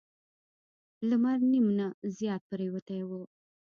لمر نیم نه زیات پریوتی و.